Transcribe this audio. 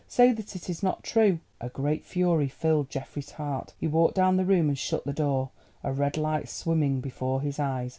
Say that it is not true!" A great fury filled Geoffrey's heart. He walked down the room and shut the door, a red light swimming before his eyes.